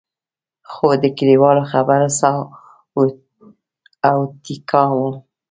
خو د کلیوالو خبره ساه او ټیکا وم.